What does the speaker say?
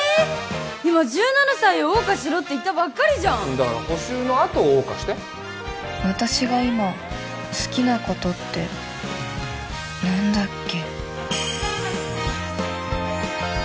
今１７歳を謳歌しろって言ったばっかりじゃんだから補習のあと謳歌して私が今好きなことって何だっけ？